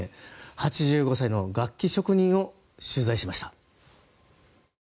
８５歳の楽器職人を取材しました。